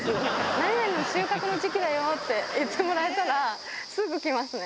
何々の収穫の時期だよって言ってもらえたら、すぐ来ますね。